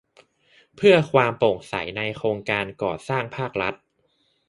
เพื่อความโปร่งใสในโครงการก่อสร้างภาครัฐ